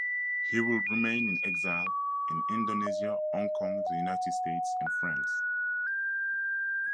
He would remain in exile, in Indonesia, Hong Kong, the United States, and France.